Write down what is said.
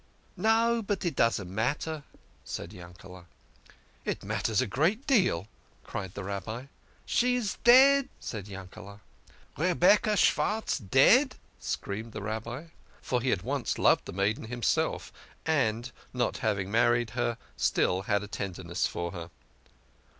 " No, but it doesn't matter," said Yankele". " It matters a great deal," cried the Rabbi. " She is dead," said Yankete. " Rebecca Schwartz dead !" screamed the Rabbi, for he had once loved the maiden himself, and, not having married her, had still a tenderness for her.